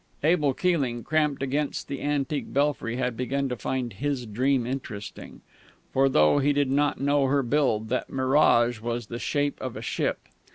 Abel Keeling, cramped against the antique belfry, had begun to find his dream interesting. For, though he did not know her build, that mirage was the shape of a ship.